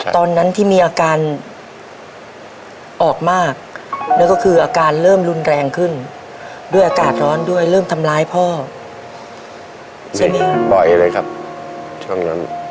ตอนนั้นที่มีอาการออกมากนั่นก็คืออาการเริ่มรุนแรงขึ้นด้วยอากาศร้อนด้วยเริ่มทำร้ายพ่อบ่อยเลยครับช่วงนั้น